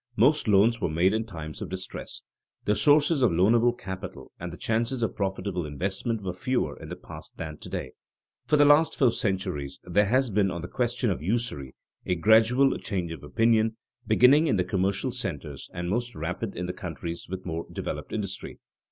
Most loans were made in times of distress. The sources of loanable capital and the chances of profitable investment were fewer in the past than to day. For the last four centuries there has been on the question of usury a gradual change of opinion, beginning in the commercial centers and most rapid in the countries with more developed industry.